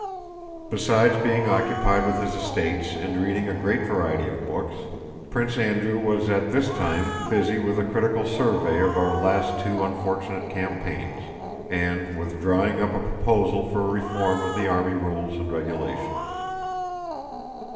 Besides being occupied with his estates and reading a great variety of books, Prince Andrew was at this time busy with a critical survey of our last two unfortunate campaigns, and with drawing up a proposal for a reform of the army rules and regulations.